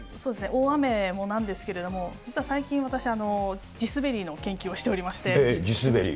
大雨もなんですけれども、実は最近、私、地滑りの研究をしており地滑り？